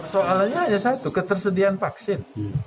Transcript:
soalnya hanya satu ketersediaan vaksin